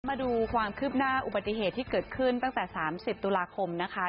มาดูความคืบหน้าอุบัติเหตุที่เกิดขึ้นตั้งแต่๓๐ตุลาคมนะคะ